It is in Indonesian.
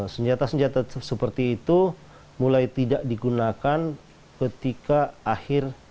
senjata senjata seperti itu mulai tidak digunakan ketika akhir